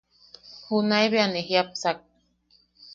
Junae bea ne jiʼapsak.